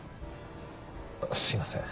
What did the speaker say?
すいません。